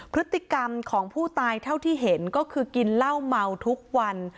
พฤติกรรมของผู้ตายเท่าที่เห็นก็คือกินเหล้าเมาทุกวัน